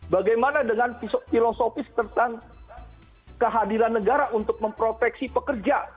bagaimana dengan filosofis tentang kehadiran negara untuk memproteksi pekerja